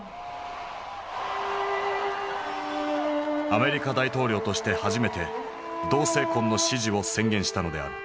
アメリカ大統領として初めて同性婚の支持を宣言したのである。